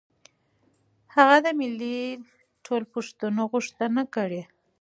هغه د ملي ټولپوښتنې غوښتنه کړې.